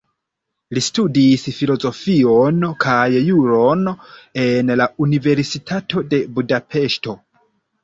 Li studis filozofion kaj juron en la Universitato de Budapeŝto.